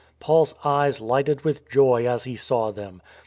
Paul's eyes lighted with joy as he saw them.